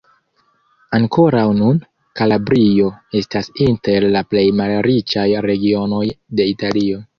Ankoraŭ nun, Kalabrio estas inter la plej malriĉaj regionoj de Italio.